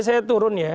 saya turun ya